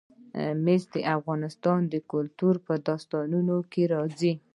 مس د افغان کلتور په داستانونو کې راځي.